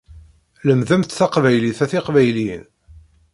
Lemdemt taqbaylit a tiqbayliyin!